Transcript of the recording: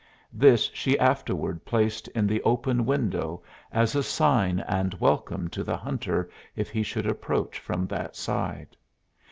This she afterward placed in the open window as a sign and welcome to the hunter if he should approach from that side.